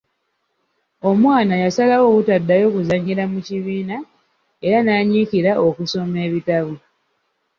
Omwana yasalawo obutaddayo kuzannyira mu kibiina era n'anyiikira okusoma ebitabo.